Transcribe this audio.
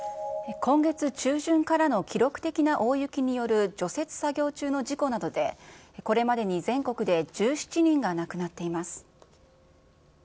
今月中旬からの記録的な大雪による除雪作業中の事故などで、これまでに全国で１７人が亡くなっています。